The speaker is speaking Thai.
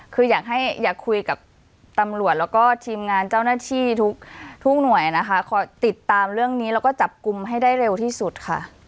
คืออยากให้อยากคุยกับตำรวจแล้วก็ทีมงานเจ้าหน้าที่ทุกหน่วยนะคะขอติดตามเรื่องนี้แล้วก็จับกลุ่มให้ได้เร็วที่สุดค่ะ